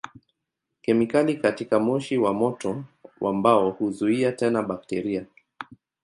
Kemikali katika moshi wa moto wa mbao huzuia tena bakteria.